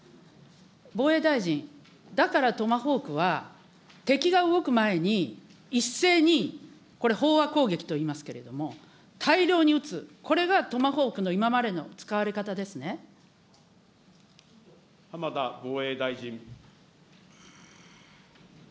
防衛大臣、だからトマホークは、敵が動く前に、一斉にこれ、飽和攻撃といいますけれども、大量に撃つ、これがトマホークの今まで浜田防衛大臣。